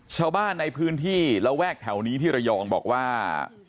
ชาวบ้านในพื้นที่ระแวกแถวนี้ที่ระยองบอกว่า